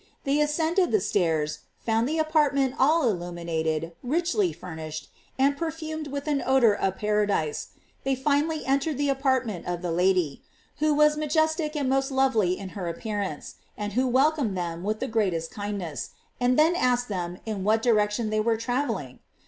They ascended the stairs, found the apartments all illuminated, richly fur nished, and perfumed as with an odor of para, disc; they finally entered the apartment of the Lady, who was majestic and most lovely in her appearance, and who welcomed them with the greatest kindness, and then asked them in what direction they were travelling?